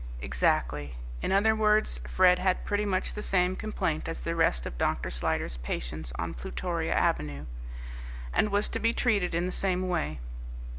Exactly! In other words Fred had pretty much the same complaint as the rest of Dr. Slyder's patients on Plutoria Avenue, and was to be treated in the same way.